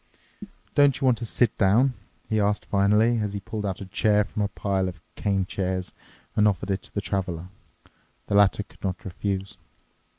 "Don't you want to sit down?" he asked finally, as he pulled out a chair from a pile of cane chairs and offered it to the Traveler. The latter could not refuse.